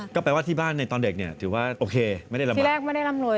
ก็แปลว่าที่บ้านในตอนเด็กถือว่าโอเคไม่ได้รำนวย